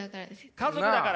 家族だから。